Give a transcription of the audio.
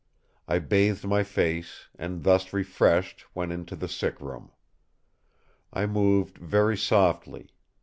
I bathed my face, and thus refreshed went into the sick room. I moved very softly.